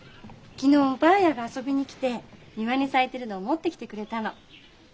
昨日婆やが遊びに来て庭に咲いてるのを持ってきてくれたの。